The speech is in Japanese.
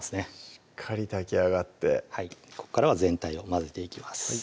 しっかり炊き上がってここからは全体を混ぜていきます